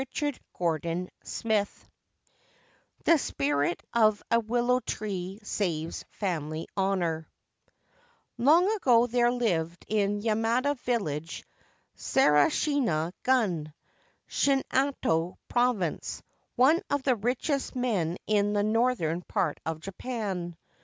345 44 LVI THE SPIRIT OF A WILLOW TREE SAVES FAMILY HONOUR LONG ago there lived in Yamada village, Sarashina Gun, Shinano Province, one of the richest men in the northern part of Japan.